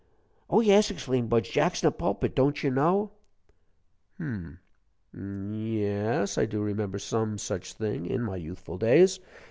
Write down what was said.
"Oh, yes!" exclaimed Budge; "jacks in the pulpit don't you know?" "Hum ye es; I do remember some such thing in my youthful days.